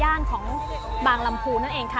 ด้านของบางลำพูนั่นเองค่ะ